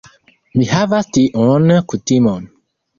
Mi havas tiun kutimon.